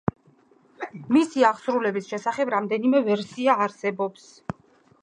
მისი აღსასრულის შესახებ რამდენიმე ვერსია არსებობს.